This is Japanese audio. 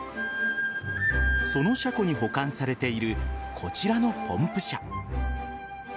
その車庫に保管されているこちらのポンプ車。